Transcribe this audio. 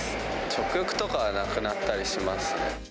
食欲とかがなくなったりしますね。